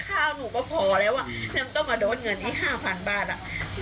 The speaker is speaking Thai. ข้าวหนูก็พอแล้วอ่ะแล้วต้องมาโดนเงินอีกห้าพันบาทอ่ะ